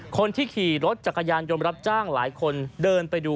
คนที่ขี่รถจักรยานยนต์รับจ้างหลายคนเดินไปดู